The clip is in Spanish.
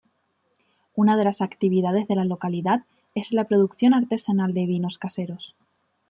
Una de las actividades de la localidad es la producción artesanal de vinos caseros.